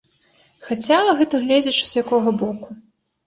Хаця, гэта гледзячы з якога боку.